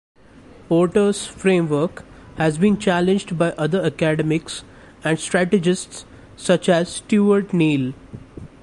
Porter's framework has been challenged by other academics and strategists such as Stewart Neill.